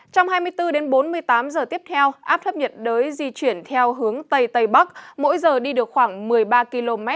trong hai mươi bốn đến bốn mươi tám giờ tiếp theo áp thấp nhiệt đới di chuyển theo hướng tây tây bắc mỗi giờ đi được khoảng một mươi ba km